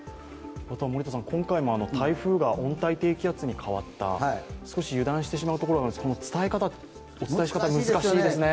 今回も台風が温帯低気圧に変わった、少し油断してしまうところがあるんですがこのお伝えの仕方は難しいですね。